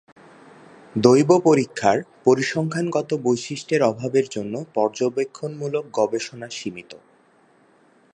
দৈব পরীক্ষার পরিসংখ্যানগত বৈশিষ্ট্যের অভাবের জন্য পর্যবেক্ষণমূলক গবেষণা সীমিত।